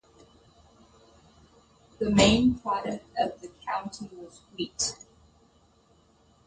The main product of the county was wheat.